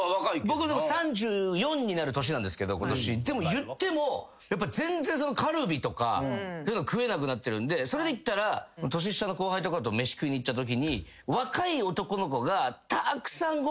僕でも３４になる年なんですけど今年でもいっても全然カルビとか食えなくなってるんでそれでいったら年下の後輩とかと飯食いに行ったときに。にはなりましたね。